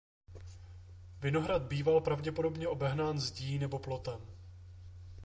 Vinohrad býval pravděpodobně obehnán zdí nebo plotem.